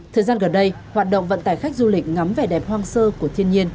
thời gian gần đây hoạt động vận tải khách du lịch ngắm vẻ đẹp hoang sơ của thiên nhiên